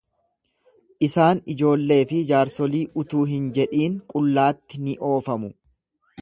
Isaan ijoollee fi jaarsolii utuu hin jedhin qullaatti ni oofamu.